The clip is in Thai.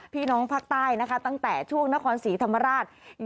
พี่น้องภาคใต้นะคะตั้งแต่ช่วงนครศรีธรรมราช